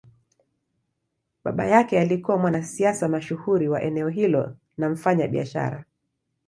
Baba yake alikuwa mwanasiasa mashuhuri wa eneo hilo na mfanyabiashara.